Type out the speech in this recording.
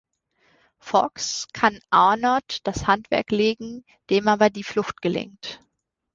Fawkes kann Arnaud das Handwerk legen, dem aber die Flucht gelingt.